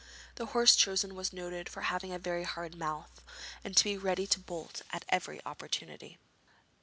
The horse chosen was noted for having a very hard mouth, and to be ready to bolt at every opportunity.